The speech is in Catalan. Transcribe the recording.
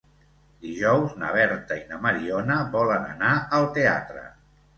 Dijous na Berta i na Mariona volen anar al teatre.